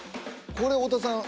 これ太田さん